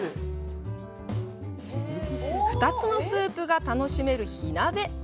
２つのスープが楽しめる火鍋。